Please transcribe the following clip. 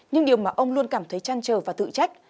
nhưng điều mà ông luôn cảm thấy chăn trở và tự trách